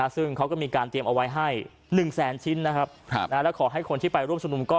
ซึ่งเขาก็มีการเตรียมเอาไว้ให้๑แสนชิ้นนะครับแล้วขอให้คนที่ไปร่วมชุมนุม